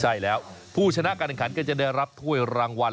ใช่แล้วผู้ชนะการแข่งขันก็จะได้รับถ้วยรางวัล